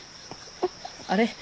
あれ？